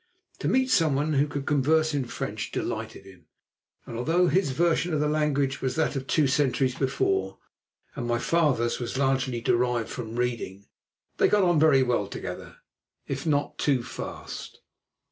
To meet someone who could converse in French delighted him, and although his version of the language was that of two centuries before and my father's was largely derived from reading, they got on very well together, if not too fast.